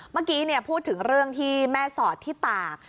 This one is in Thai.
เมื่อกี้พูดถึงเรื่องที่แม่สอดที่ตาก